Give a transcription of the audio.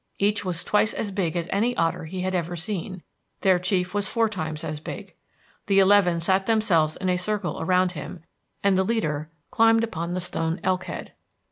Each was twice as big as any otter he had ever seen; their chief was four times as big. The eleven sat themselves in a circle around him; the leader climbed upon the stone elk head.